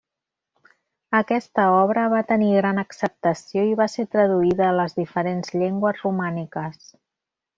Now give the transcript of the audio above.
Aquesta obra va tenir gran acceptació i va ser traduïda a les diferents llengües romàniques.